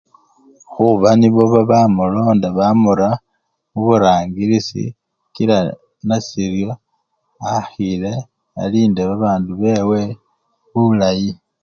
Khuba nibo babamulonda bamuwa burangilisi kila nasiryo akhile alinde babandu bewe bulayi.